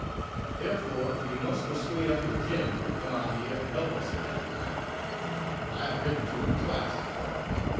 Therefore, you must persuade Uncle Jim to come out here and help us in that line. I have written to him twice to come.